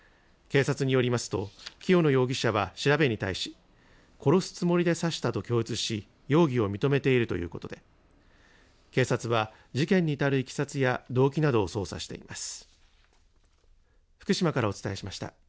警察によりますと清野容疑者は調べに対し殺すつもりで刺したと供述し容疑を認めているということで警察は事件に至るいきさつや動機などを捜査しています。